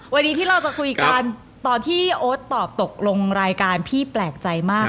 วันนี้ที่เราจะคุยกันตอนที่โอ๊ตตอบตกลงรายการพี่แปลกใจมาก